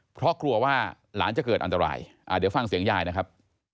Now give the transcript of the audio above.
เพราะกลัวว่าหลานจะเกิดอันตรายเดี๋ยวฟังเสียงยายนะครับ